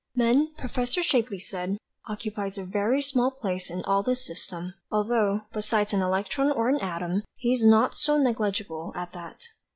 Man, Prof. Shapley said, occupies a very small place in all this system, although, beside an electron or an atom, he is not so negligible, at that.